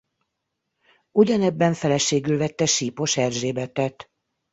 Ugyanebben feleségül vette Sípos Erzsébetet.